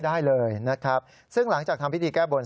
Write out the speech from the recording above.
ได้เลยนะครับซึ่งหลังจากทำพิธีแก้บน